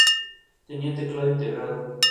Valoran la autonomía en ellos mismos y en los demás.